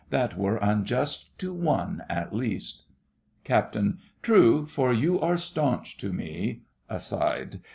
That were unjust to one, at least. CAPT. True, for you are staunch to me. (Aside.)